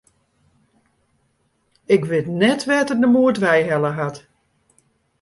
Ik wit net wêr't er de moed wei helle hat.